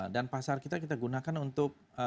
dan pasar kita kita gunakan untuk